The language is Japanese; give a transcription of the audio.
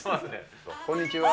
こんにちは。